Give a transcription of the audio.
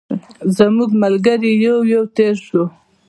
زموږ ملګري یو یو تېر شول.